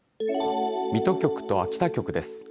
水戸局と秋田局です。